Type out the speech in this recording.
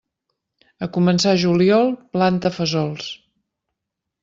A començar juliol, planta fesols.